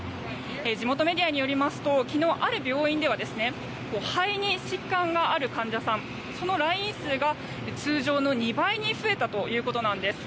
地元メディアによりますと昨日、ある病院では肺に疾患がある患者さんその来院数が通常の２倍に増えたということなんです。